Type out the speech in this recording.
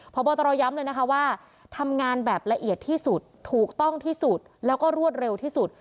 พบตรย้ำเลยนะคะว่าทำงานแบบละเอียดที่สุดถูกต้องที่สุดแล้วก็รวดเร็วที่สุด